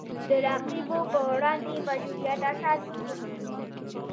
د رقیبو پر وړاندې مشروعیت اساس وګرځي